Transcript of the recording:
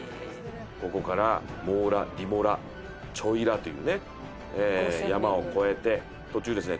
ここから、モー・ラ、ディモ・ラチョイ・ラというね山を越えて途中ですね